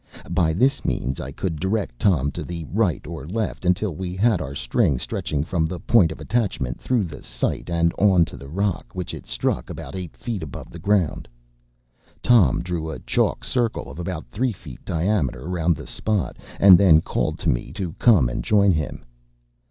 By this means I could direct Tom to the right or left, until we had our string stretching from the point of attachment, through the sight, and on to the rock, which it struck about eight feet from the ground. Tom drew a chalk circle of about three feet diameter round the spot, and then called to me to come and join him.